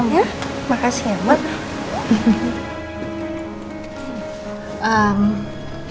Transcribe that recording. ya makasih ya makasih